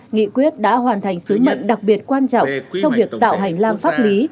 nghị quyết đã hoàn thành sứ mệnh đặc biệt quan trọng trong việc tạo hành lang pháp lý